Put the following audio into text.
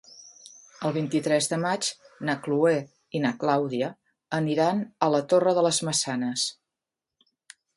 El vint-i-tres de maig na Chloé i na Clàudia aniran a la Torre de les Maçanes.